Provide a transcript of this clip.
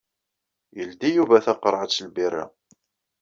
Yeldi Yuba taqerɛet n lbirra.